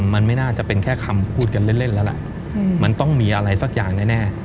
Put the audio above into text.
มันไม่น่าจะเป็นแค่คำพูดกันเล่นแล้วล่ะมันต้องมีอะไรสักอย่างแน่